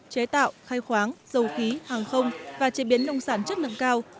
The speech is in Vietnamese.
chế tạo khai khoáng dầu khí hàng không và chế biến nông sản chất lượng cao